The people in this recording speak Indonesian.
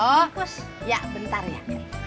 oh ya bentar ya